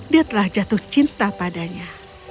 dia telah jatuh cinta padanya